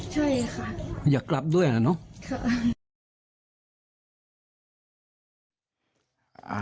ใช่ค่ะอยากกลับด้วยอ่ะเนาะค่ะ